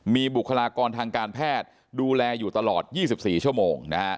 มีบุคลากรทางการแพทย์ดูแลอยู่ตลอด๒๔ชั่วโมง